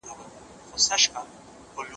زده کوونکي به یو بل ته مرسته کوي.